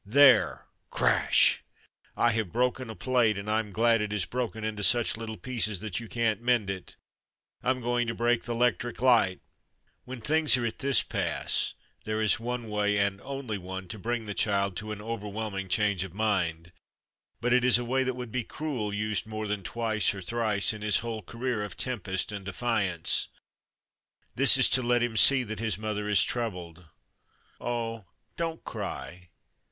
"There (crash!) I have broken a plate, and I'm glad it is broken into such little pieces that you can't mend it. I'm going to break the 'lectric light." When things are at this pass there is one way, and only one, to bring the child to an overwhelming change of mind; but it is a way that would be cruel, used more than twice or thrice in his whole career of tempest and defiance. This is to let him see that his mother is troubled. "Oh, don't cry!